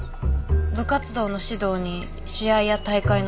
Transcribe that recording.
部活動の指導に試合や大会の引率